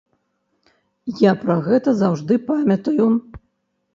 Я пра гэта заўжды памятаю.